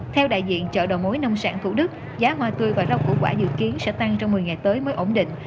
theo đại diện chợ đầu mối nông sản thủ đức giá hoa tươi và rau củ quả dự kiến sẽ tăng trong một mươi ngày tới mới ổn định